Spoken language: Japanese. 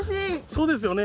そうですよね。